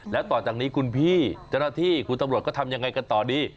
แล้วต่อจากนี้คุณพี่เจ้าหน้าที่คุณตำรวจก็ทำยังไงกันต่อดี